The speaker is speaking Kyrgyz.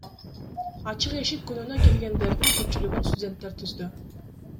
Ачык эшик күнүнө келгендердин көпчүлүгүн студенттер түздү.